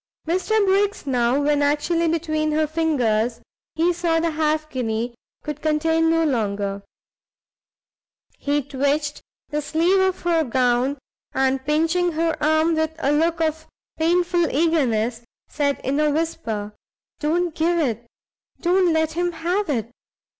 Mr Briggs now, when actually between her fingers he saw the half guinea, could contain no longer; he twitched the sleeve of her gown, and pinching her arm, with a look of painful eagerness, said in a whisper "Don't give it! don't let him have it!